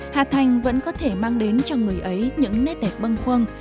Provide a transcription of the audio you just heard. hà thành vẫn có thể mang đến cho người ấy những nét đẹp bâng khuâng